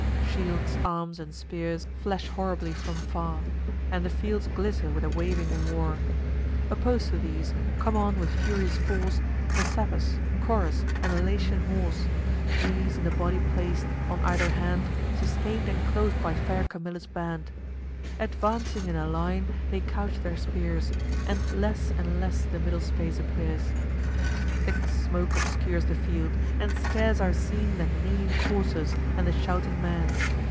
Shields, arms, and spears flash horribly from far; And the fields glitter with a waving war. Oppos'd to these, come on with furious force Messapus, Coras, and the Latian horse; These in the body plac'd, on either hand Sustain'd and clos'd by fair Camilla's band. Advancing in a line, they couch their spears; And less and less the middle space appears. Thick smoke obscures the field; and scarce are seen The neighing coursers, and the shouting men.